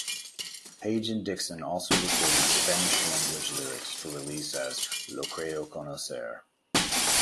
Paige and Dickson also recorded Spanish-language lyrics for release as "Lo Creo Conocer".